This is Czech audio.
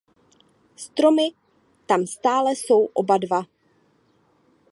Stromy tam stále jsou oba dva.